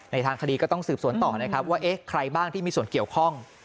ทางคดีก็ต้องสืบสวนต่อนะครับว่าเอ๊ะใครบ้างที่มีส่วนเกี่ยวข้อง